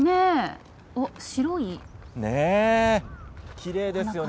きれいですね。